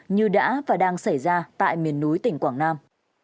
như đã và đang xảy ra tại miền núi tỉnh quảng nam